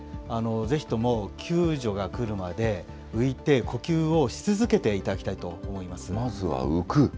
ぜひとも救助が来るまで浮いて呼吸をし続けていただきたいと思いまずは浮く。